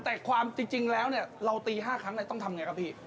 แต่ความจริงแล้วเราตีห้าครั้งต้องทำอย่างไรครับพี่